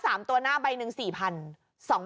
ถ้า๓ตัวหน้าใบหนึ่ง๔๐๐๐